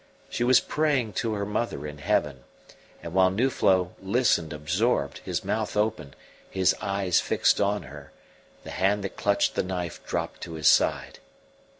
She was praying to her mother in heaven; and while Nuflo listened absorbed, his mouth open, his eyes fixed on her, the hand that clutched the knife dropped to his side.